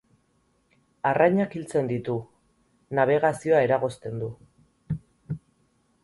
Arrainak hiltzen ditu, nabegazioa eragozten du...